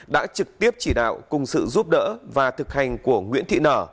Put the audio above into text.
đã trực tiếp chỉ đạo cùng sự giúp đỡ và thực hành của nguyễn thị nở